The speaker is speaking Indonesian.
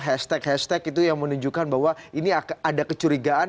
hashtag hashtag itu yang menunjukkan bahwa ini ada kecurigaan